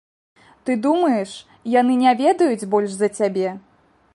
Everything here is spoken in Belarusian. Ты думаеш, яны не ведаюць больш за цябе?